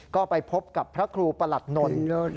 ก็ไปพบกับพระครูประหลัดนนท์